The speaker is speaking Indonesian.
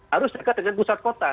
harus dekat dengan pusat kota